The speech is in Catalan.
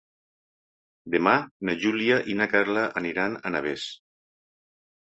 Demà na Júlia i na Carla aniran a Navès.